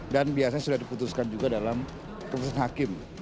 dan biasanya sudah diputuskan juga dalam keputusan hakim